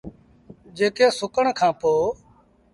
جيڪي سُڪڻ کآݩ پو۔